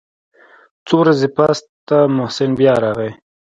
څو ورځې پس ته محسن بيا راغى.